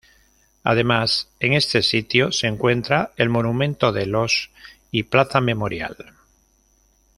Además, en este sitio se encuentra el Monumento de los y Plaza Memorial.